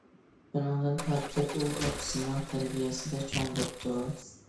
شۇنىڭدىن تارتىپ ئۇ ئاپىسىنىڭ تەربىيەسىدە چوڭ بوپتۇ.